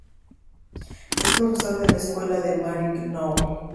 Es profesor de la Escuela de Maryknoll.